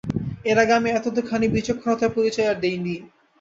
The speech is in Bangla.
এর আগে, আমি এতখানি বিচক্ষণতার পরিচয় আর দিইনি।